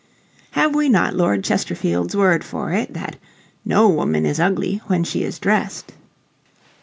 Have we not Lord Chesterfield's word for it, that "No woman is ugly when she is dressed"?